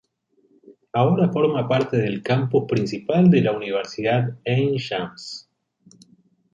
Ahora forma parte del campus principal de la Universidad Ain Shams.